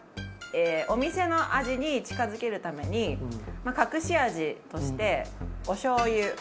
お店の味に近付けるために隠し味としておしょう油。